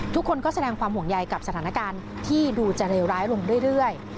ทุกคนก็แสดงความห่วงใยกับสถานการณ์ที่ดูจะเลวร้ายลงเรื่อย